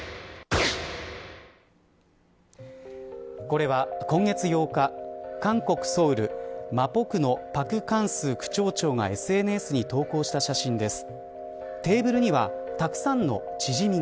これは、今月８日韓国ソウル麻浦区のパク・カンス庁長がＳＮＳに投稿した写真です。